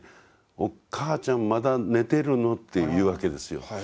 「お母ちゃんまだ寝てるの」って言うわけですよ。